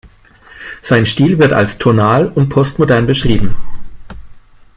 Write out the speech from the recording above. Sein Stil wird als tonal und postmodern beschrieben.